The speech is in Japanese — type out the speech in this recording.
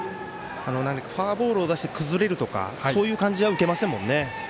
フォアボールを出してくずれるとかそういう感じは受けませんもんね。